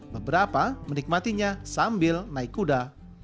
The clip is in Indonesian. beberapa menikmatinya sambil naik kuda